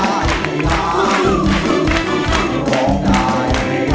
ร้องได้